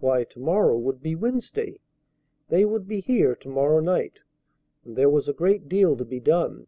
Why, to morrow would be Wednesday! They would be here to morrow night! And there was a great deal to be done!